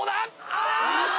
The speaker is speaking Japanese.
あっと！